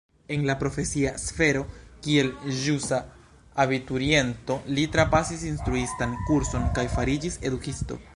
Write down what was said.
En la profesia sfero kiel ĵusa abituriento li trapasis instruistan kurson kaj fariĝis edukisto.